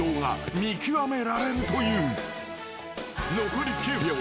［残り９秒。